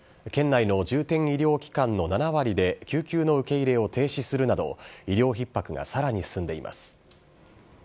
県内の重点医療機関の７割で救急の受け入れを停止するなど、医療ひっ迫がさらに進んでいます。